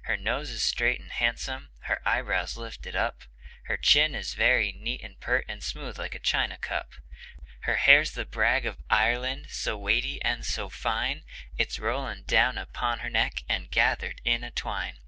Her nose is straight and handsome, her eyebrows lifted up; Her chin is very neat and pert, and smooth like a china cup; Her hair's the brag of Ireland, so weighty and so fine, It's rolling down upon her neck and gathered in a twine.